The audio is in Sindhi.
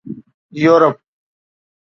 يورپ